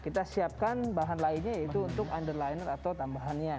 kita siapkan bahan lainnya yaitu untuk underliner atau tambahannya